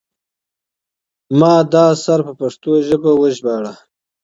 ما دا اثر په پښتو ژبه وژباړه.